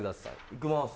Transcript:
いきます。